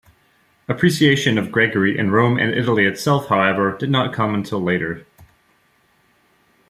Appreciation of Gregory in Rome and Italy itself, however, did not come until later.